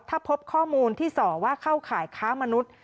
ถ้าพบข้อมูลที่ส่อว่าเข้าข่ายค้ามนุษย์